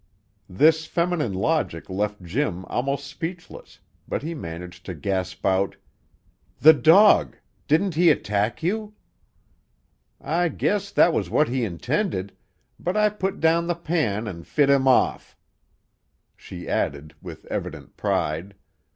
This feminine logic left Jim almost speechless, but he managed to gasp out: "The dog! Didn't he attack you?" "I guess that was what he intended, but I put down the pan an' fit him off." She added, with evident pride.